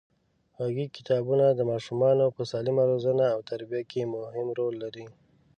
غږیز کتابونه د ماشومانو په سالمه روزنه او تربیه کې مهم رول لري.